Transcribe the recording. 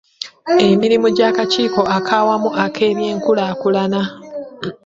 Emirimu gy'akakiiko ak'awamu ak'ebyenkulaakulana.